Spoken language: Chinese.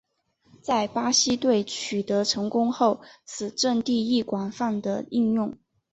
在巴西队取得成功后此阵式亦广泛地应用。